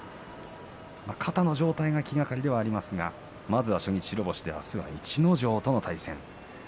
肩の状態が気がかりではありますがまずは初日白星で明日は逸ノ城との対戦です。